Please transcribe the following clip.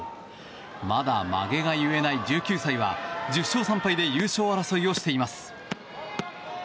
まだまげが結えない１９歳は１０勝３敗で優勝争いをしています。